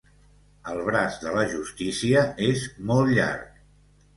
El braç de la justícia és molt llarg.